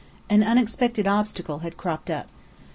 An unexpected obstacle had cropped up.